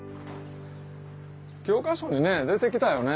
教科書に出てきたよね